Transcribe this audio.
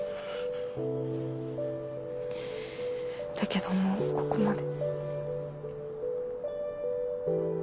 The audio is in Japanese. だけどもうここまで。